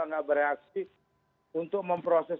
tidak bereaksi untuk memproses